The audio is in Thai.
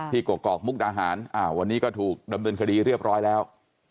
กกอกมุกดาหารวันนี้ก็ถูกดำเนินคดีเรียบร้อยแล้ว